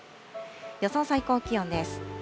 予想最高気温です。